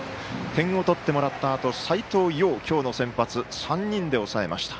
点を取ってもらったあと斎藤蓉、今日の先発３人で抑えました。